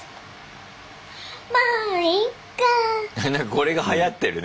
これがはやってるね